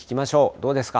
どうですか。